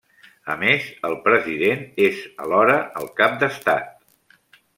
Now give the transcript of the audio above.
A més, el president és alhora el cap d'Estat.